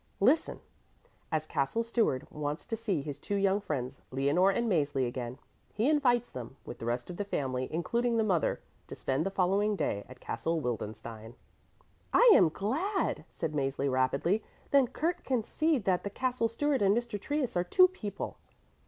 "Listen! As the Castle Steward wants to see his two young friends, Leonore and Mäzli, again, he invites them, with the rest of the family, including the mother, to spend the following day at Castle Wildenstein." "I am glad," said Mäzli rapidly, "then Kurt can see that the Castle Steward and Mr. Trius are two people."